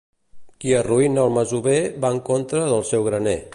Qui arruïna el masover va en contra del seu graner.